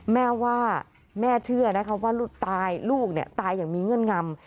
แม่ว่าแม่เชื่อนะคะว่าลูกตายลูกตายอย่างมีเงื่อนงำ